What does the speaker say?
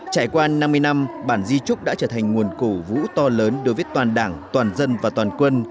trải qua năm mươi năm bản di trúc đã trở thành nguồn cổ vũ to lớn đối với toàn đảng toàn dân và toàn quân